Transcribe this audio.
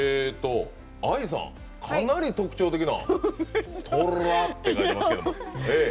ＡＩさん、かなり特徴的な「寅」って書いてますけど。